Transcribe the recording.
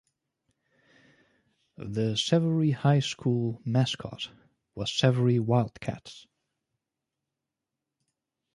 The Severy High School mascot was Severy Wildcats.